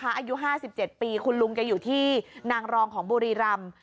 อายุ๕๗ปีคุณลุงแกอยู่ที่นางรองของบุรีรำ